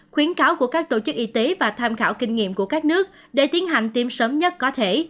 khuyến cáo của các tổ chức y tế và tham khảo kinh nghiệm của các nước để tiến hành tiêm sớm nhất có thể